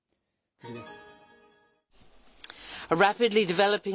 次です。